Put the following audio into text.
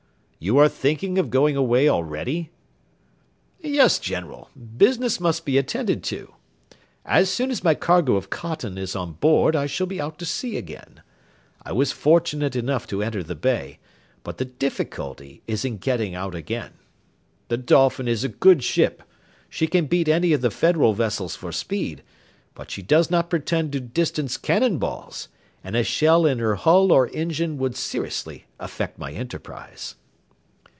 you are thinking of going away already." "Yes, General, business must be attended to; as soon as my cargo of cotton is on board I shall be out to sea again. I was fortunate enough to enter the bay, but the difficulty is in getting out again. The Dolphin is a good ship; she can beat any of the Federal vessels for speed, but she does not pretend to distance cannon balls, and a shell in her hull or engine would seriously affect my enterprise."